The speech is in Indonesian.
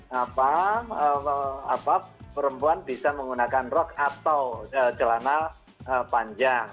jadi perempuan bisa menggunakan rok atau celana panjang